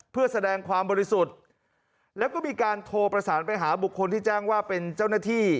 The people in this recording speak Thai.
เพื่อแสดงความบริสุทธิ์แล้วก็มีการโทรประสานไปหาบุคคลที่แจ้งว่าเป็นเจ้าหน้าที่